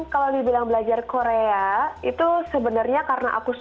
kalau dibilang belajar korea itu sebenarnya karena aku suka